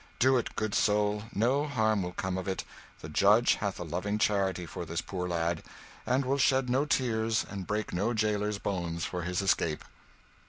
"Do it, good soul, no harm will come of it; the judge hath a loving charity for this poor lad, and will shed no tears and break no jailer's bones for his escape."